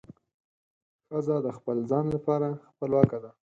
ښځه د خپل ځان لپاره خپلواکه ده.